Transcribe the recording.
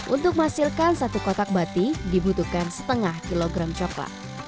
untuk memasukkan satu kotak batik dibutuhkan setengah kilogram coklat